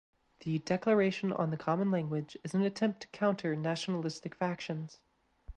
The "Declaration on the common language" is an attempt to counter nationalistic factions.